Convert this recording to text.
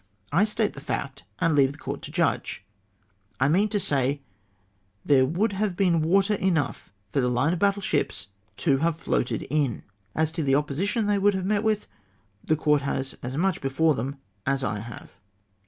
I state the fact, and leave the Court to judge. I mean to say, there looidd have been ivater enough for the line of battle ships to have floated in. As to the opposition they would have met with, the Court has as much before them as I have."